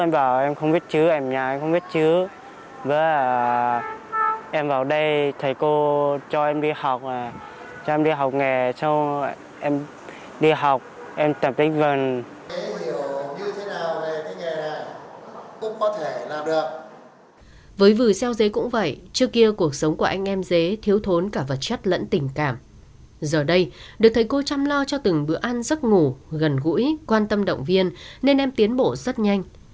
với vừa xeo dế cũng vậy trước kia cuộc sống của anh em dế thiếu thốn cả vật chất lẫn tình cảm giờ đây được thầy cô chăm lo cho từng bữa ăn rất ngủ gần gũi quan tâm động viên nên em tiến bộ rất nhanh